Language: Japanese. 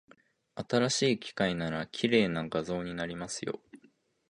新しい機械なら、綺麗な画像になりますよ。